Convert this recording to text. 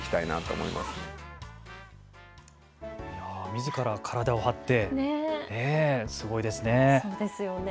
みずから体を張ってすごいですね。